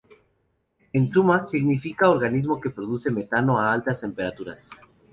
En suma, significa "organismo que produce metano a altas temperaturas.